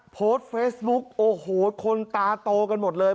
โพสต์เฟซบุ๊กโอ้โหคนตาโตกันหมดเลย